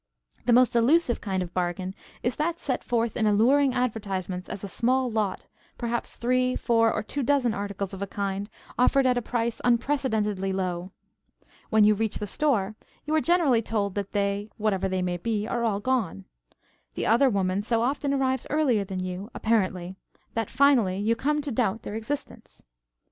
The most elusive kind of bargain is that set forth in alluring advertisements as a small lot, perhaps three, four, or two dozen articles of a kind, offered at a price unprecedentedly low. When you reach the store, you are generally told that they whatever they may be are all gone. The other woman so often arrives earlier than you, apparently, that finally you come to doubt their existence.